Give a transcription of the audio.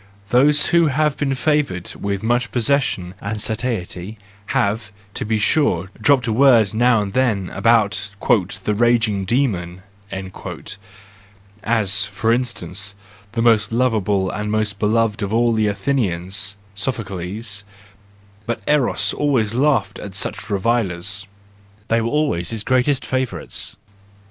Those who have been favoured with much possession and satiety, have, to be sure, dropped a word now and then about the " raging demon," as, for instance, the most lovable and most beloved of all the Athenians—Sophocles; but Eros always laughed at such revilers, — they were always his greatest favourites.